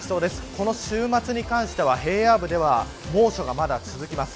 この週末に関しては、平野部では猛暑がまだ続きます。